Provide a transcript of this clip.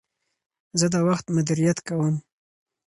زه د وخت مدیریت کوم.